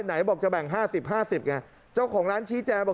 ไหนบอกจะแบ่ง๕๐๕๐ไงเจ้าของร้านชี้แจงบอก